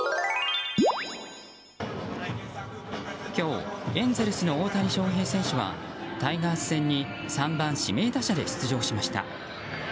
今日、エンゼルスの大谷翔平選手はタイガース戦に３番指名打者で出場しました。